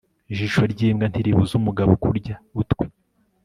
ijisho ry'imbwa ntiribuza umugabo kurya utwe